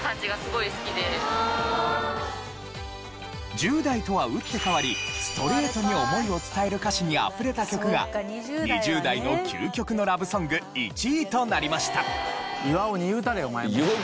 １０代とは打って変わりストレートに思いを伝える歌詞にあふれた曲が２０代の究極のラブソング１位となりました。